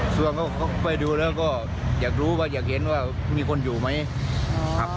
ส่วนเขาไปดูแล้วก็อยากรู้ว่าอยากเห็นว่ามีคนอยู่ไหมครับ